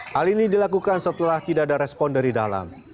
hal ini dilakukan setelah tidak ada respon dari dalam